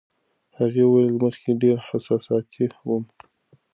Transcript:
هغې وویل، مخکې ډېره احساساتي وم.